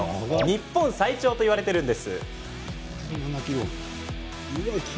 日本最長といわれているんです。